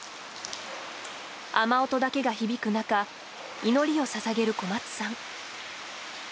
雨音だけが響く中祈りを捧げる小松さん。